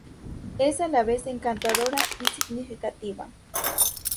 Es a la vez encantadora y significativa.